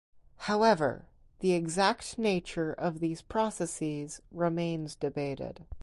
However, the exact nature of these processes remains debated.